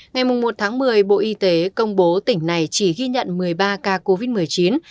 ngày một tháng một mươi bộ y tế công bố tỉnh này chỉ ghi nhận một mươi ba ca covid một mươi chín